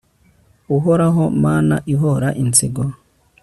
uhoraho, mana ihora inzigo